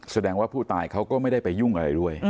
แสดงว่าผู้ตายเขาก็ไม่ได้ไปยุ่งอะไรด้วย